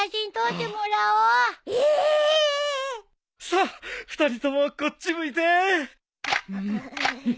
さあ２人ともこっち向いて。